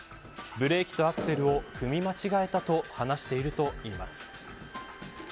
ブレーキとアクセルを踏み間違えたと話しているといいます。